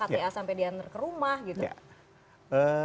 kta sampai diantar ke rumah gitu